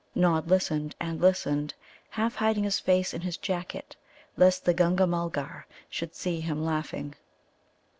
Nod listened and listened, half hiding his face in his jacket lest the Gunga mulgar should see him laughing.